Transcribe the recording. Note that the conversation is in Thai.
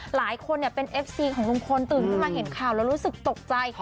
หลายคนเป็นเอฟซีของลุงพลตื่นขึ้นมาเห็นข่าวแล้วรู้สึกตกใจ